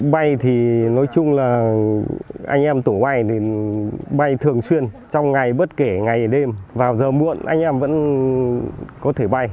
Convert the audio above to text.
bay thì nói chung là anh em tổng bay thì bay thường xuyên trong ngày bất kể ngày đêm vào giờ muộn anh em vẫn có thể bay